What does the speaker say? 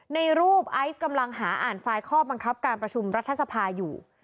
ในรูปไอซ์กำลังหาอ่านไฟล์ข้อบังคับการประชุมรัฐสภาอยู่